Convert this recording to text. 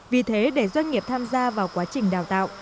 vì thế để doanh nghiệp tham gia vào quá trình đào tạo